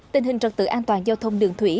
tình hình trật tự an toàn giao thông đường thủy